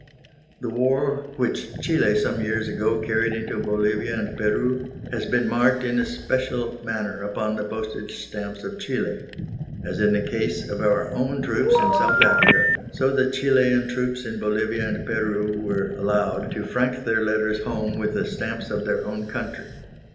The war which Chili some years ago carried into Bolivia and Peru has been marked in a special manner upon the postage stamps of Chili. As in the case of our own troops in South Africa, so the Chilian troops in Bolivia and Peru were allowed to frank their letters home with the stamps of their own country.